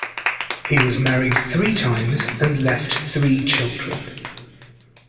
He was married three times, and left three children.